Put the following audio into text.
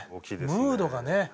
ムードがね。